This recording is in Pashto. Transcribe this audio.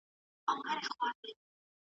آیا ته پوهېږې چې دا لاره چېرته ځي؟